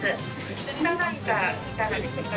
こちらなんかいかがでしょうか？